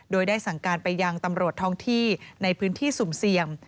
โดยได้สั่งการไปยังตำรวจท้องที่ในพื้นที่สุ่มเสี่ยง